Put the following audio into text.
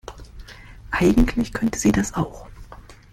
Eigentlich könnte sie das auch.